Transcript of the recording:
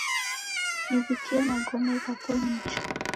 Niw'ikie magome ghapo nicha.